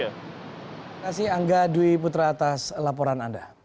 terima kasih angga dwi putra atas laporan anda